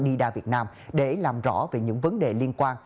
nida việt nam để làm rõ về những vấn đề liên quan